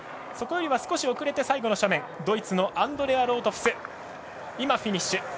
そこよりは少し遅れて最後の斜面ドイツのアンドレア・ロートフスフィニッシュ。